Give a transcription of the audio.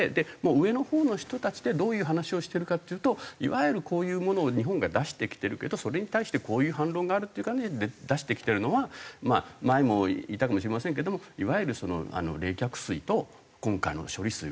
上のほうの人たちでどういう話をしてるかっていうといわゆるこういうものを日本が出してきてるけどそれに対してこういう反論があるっていう感じで出してきてるのは前も言ったかもしれませんけどもいわゆる冷却水と今回の処理水は違うものだという事で。